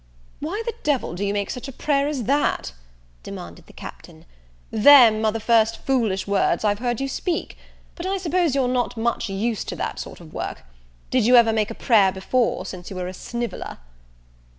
"Why the devil do you make such a prayer as that?" demanded the Captain: "them are the first foolish words I've heard you speak; but I suppose you're not much used to that sort of work. Did you ever make a prayer before, since you were a sniveler?"